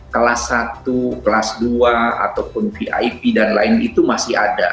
kelas satu kelas dua ataupun vip dan lain itu masih ada